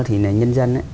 thì là nhân dân